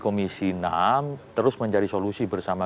komisi enam terus mencari solusi bersama